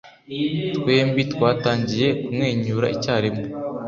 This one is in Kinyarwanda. Twembi twatangiye kumwenyura icyarimwe.